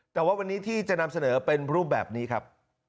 แต่ว่าวันนี้ที่จะนำเสนอเป็นรูปแบบนี้ครับ